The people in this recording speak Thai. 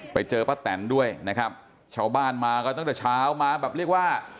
ไปเจอป้าแตนด้วยนะครับชาวบ้านมากันตั้งแต่เช้ามาแบบเรียกว่า